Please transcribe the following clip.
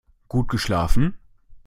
Gut geschlafen?